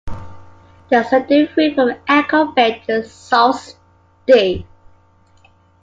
The extended route from Echo Bay to Sault Ste.